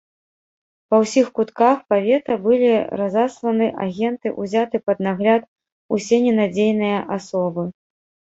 Па ўсіх кутках павета былі разасланы агенты, узяты пад нагляд усе ненадзейныя асобы.